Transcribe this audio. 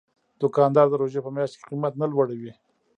دوکاندار د روژې په میاشت کې قیمت نه لوړوي.